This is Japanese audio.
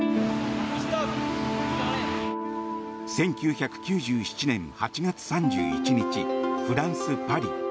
１９９７年８月３１日フランス・パリ。